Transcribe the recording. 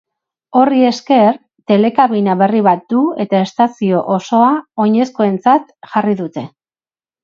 Horri esker, telekabina berri bat du eta estazio osoa oinezkoentzat jarri dute.